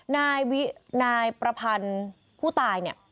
นายประพันธ์ผู้ตาย